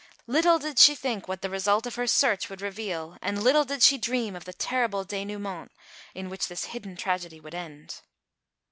Little did she think, what the result of her search would reveal, and little did she dream of the terrible denouement, in which this hidden tragedy would end.